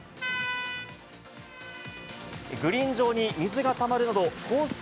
グリーン上に水がたまるなど、コース